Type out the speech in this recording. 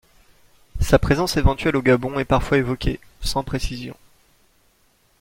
Sa présence éventuelle au Gabon est parfois évoquée, sans précisions.